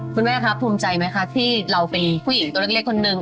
คุณแม่ครับภูมิใจไหมคะที่เราเป็นผู้หญิงตัวเล็กคนหนึ่ง